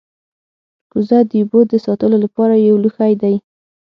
کوزه د اوبو د ساتلو لپاره یو لوښی دی